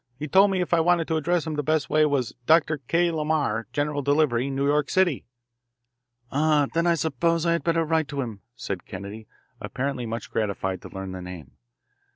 He told me if I wanted to address him the best way was 'Dr. K. Lamar, General Delivery, New York City.'" "Ah, then I suppose I had better write to him," said Kennedy, apparently much gratified to learn the name.